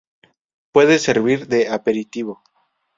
Puede servir de aperitivo.